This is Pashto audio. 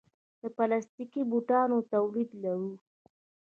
د پلاستیکي بوټانو تولید لرو؟